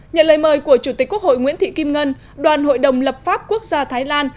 nhận lời mời của chủ tịch quốc hội nguyễn thị kim ngân đoàn hội đồng lập pháp quốc gia thái lan